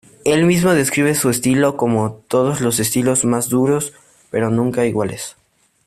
Él mismo describe su estilo como: "Todos los estilos más duros, pero nunca iguales".